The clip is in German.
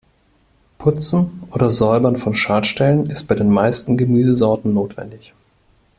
Putzen oder Säubern von Schadstellen ist bei den meisten Gemüsesorten notwendig.